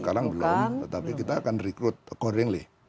sekarang belum tapi kita akan recruit accordingly